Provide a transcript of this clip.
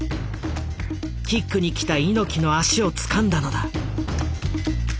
キックにきた猪木の足をつかんだのだ。